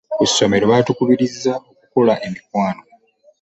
Ku ssomero batukubirizanga okukola emikwano.